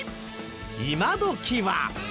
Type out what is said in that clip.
今どきは。